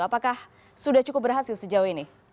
apakah sudah cukup berhasil sejauh ini